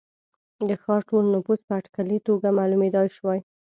د ښار ټول نفوس په اټکلي توګه معلومېدای شوای.